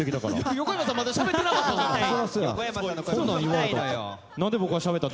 横山さんしゃべってなかったから。